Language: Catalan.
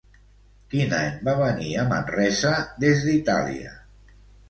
Quin any va venir a Manresa des d'Itàlia?